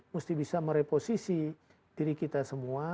mesti bisa mereposisi diri kita semua